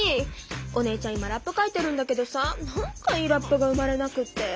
お姉ちゃん今ラップ書いてるんだけどさなんかいいラップが生まれなくって。